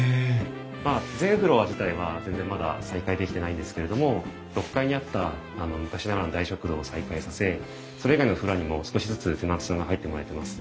まあ全フロア自体は全然まだ再開できてないんですけれども６階にあった昔ながらの大食堂を再開させそれ以外のフロアにも少しずつテナントさんが入ってもらえてます。